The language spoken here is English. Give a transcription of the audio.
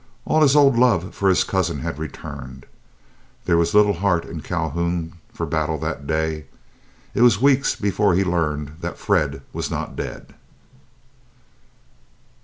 All his old love for his cousin had returned. There was little heart in Calhoun for battle that day. It was weeks before he learned that Fred was not dead.